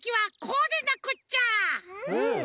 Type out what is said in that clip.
うん！